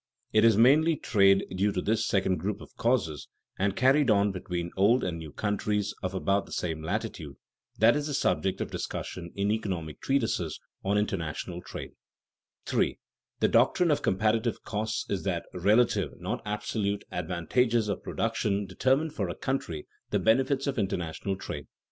It is mainly trade due to this second group of causes, and carried on between old and new countries of about the same latitude, that is the subject of discussion in economic treatises on international trade. [Sidenote: Comparative costs as between individual workers] 3. _The doctrine of comparative costs is that relative, not absolute, advantages of production determine for a country the benefits of international trade.